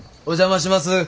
お邪魔します。